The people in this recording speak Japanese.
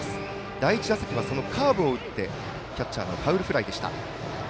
第１打席はカーブを打ってキャッチャーのファウルフライでした。